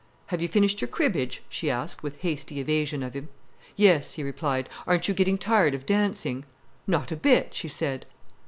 "Have you finished your cribbage?" she asked, with hasty evasion of him. "Yes," he replied. "Aren't you getting tired of dancing?" "Not a bit," she said.